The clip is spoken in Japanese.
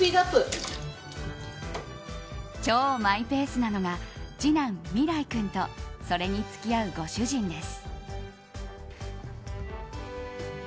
超マイペースなのが次男・美良生君とそれに付き合うご主人です。